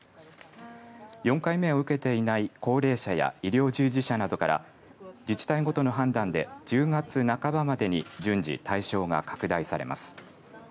４回目を受けていない高齢者や医療従事者などから自治体ごとの判断で１０月半ばまでに順次対象が拡大されます。